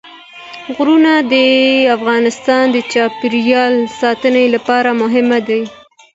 غرونه د افغانستان د چاپیریال ساتنې لپاره مهم دي.